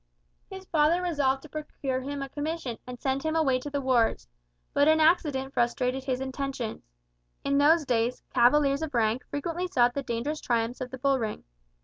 His father resolved to procure him a commission, and send him away to the wars. But an accident frustrated his intentions. In those days, cavaliers of rank frequently sought the dangerous triumphs of the bull ring.